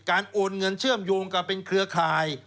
โอนเงินเชื่อมโยงกับเป็นเครือข่าย